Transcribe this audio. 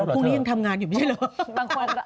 พรุ่งนี้ยังทำงานอยู่ไม่ใช่เหรอ